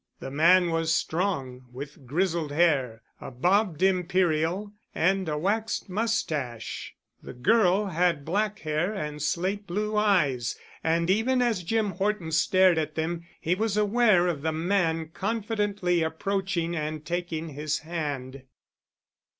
The man was strong, with grizzled hair, a bobbed Imperial and a waxed mustache. The girl had black hair and slate blue eyes. And even as Jim Horton stared at them, he was aware of the man confidently approaching and taking his hand.